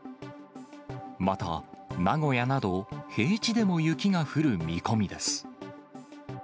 また、名古屋など、平地でも雪が降る見込みです。